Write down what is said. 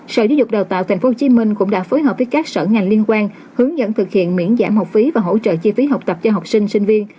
sở giáo dục đào tạo tp hcm cũng đã phối hợp với các sở ngành liên quan hướng dẫn thực hiện miễn giảm học phí và hỗ trợ chi phí học tập cho học sinh sinh viên